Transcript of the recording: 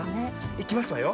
いきますわよ。